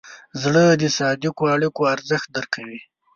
زړه د صادقو اړیکو ارزښت درک کوي.